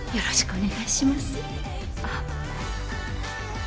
お願いします。